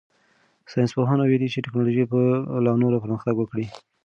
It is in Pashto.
ساینس پوهانو ویلي چې تکنالوژي به لا نوره پرمختګ وکړي.